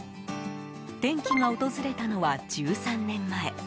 転機が訪れたのは、１３年前。